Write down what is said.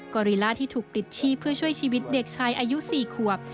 อริล่าที่ถูกปลิดชีพเพื่อช่วยชีวิตเด็กชายอายุ๔ขวบ